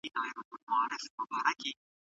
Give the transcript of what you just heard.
دوو لا نورو ګرېوانونه وه څیرلي